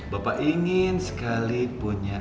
bapak ingin sekali punya